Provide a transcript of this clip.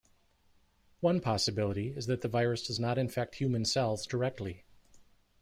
One possibility is that the virus does not infect human cells directly.